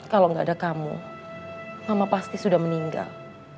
kalau nggak ada kamu mama pasti sudah meninggal